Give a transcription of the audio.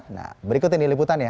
nah berikut ini liputan ya